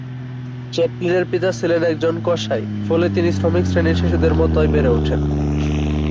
চ্যাপলিনের পিতা ছিলেন একজন কসাই, ফলে তিনি শ্রমিক শ্রেণীর শিশুদের মতই বেড়ে ওঠেন।